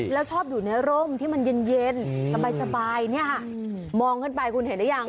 แล้วชอบอยู่ในโรงที่มันเย็นสบายมองขึ้นไปคุณเห็นหรือยัง